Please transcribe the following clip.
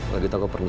lagi tanggung permisi